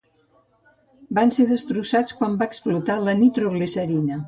Van ser derrotats quan va explotar la nitroglicerina.